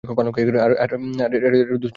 আরে দোস্ত দেখা।